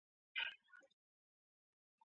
Tolya emmere eyokya, ekinaawola kikwokera ki?